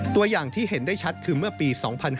ตัวอย่างที่เห็นได้ชัดคือเมื่อปี๒๕๕๙